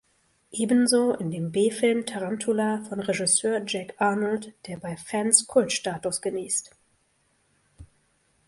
Ebenso in dem B-Film "Tarantula" von Regisseur Jack Arnold, der bei Fans Kult-Status genießt.